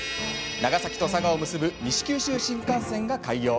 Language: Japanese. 長崎と佐賀を結ぶ西九州新幹線が開業。